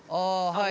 はい。